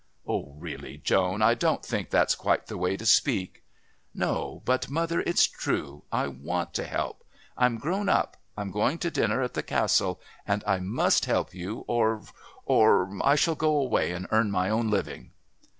"Really, Joan I don't think that's quite the way to speak." "No, but, mother, it's true. I want to help. I'm grown up. I'm going to dinner at the Castle, and I must help you, or or I shall go away and earn my own living!"